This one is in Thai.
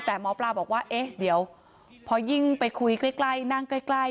แต่หมอปลาบอกว่าเอ๊ะเดี๋ยวพอยิ่งไปคุยใกล้นั่งใกล้